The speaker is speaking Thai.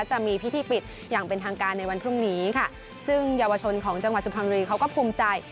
จะมีพิธีปิดอย่างเป็นทางการในวันพรุ่งนี้ค่ะซึ่งเยาวชนของจังหวัดสุพรรณบุรีเขาก็ภูมิใจ